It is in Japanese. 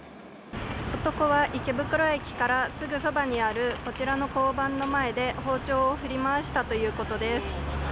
男は池袋駅からすぐそばにあるこちらの交番の前で包丁を振り回したということです。